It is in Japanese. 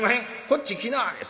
こっち来なはれ。